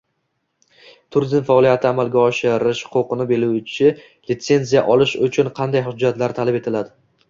Turizm faoliyatini amalga oshirish huquqini beruvchi litsenziya olish uchun qanday hujjatlar talab etiladi?